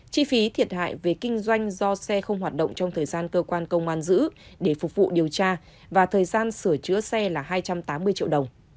chi phí thiệt hại về kinh doanh do xe không hoạt động trong thời gian cơ quan công an giữ để phục vụ điều tra và thời gian sửa chữa xe là hai trăm tám mươi triệu đồng